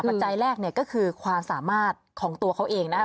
ปัจจัยแรกเนี่ยก็คือความสามารถของตัวเขาเองนะครับ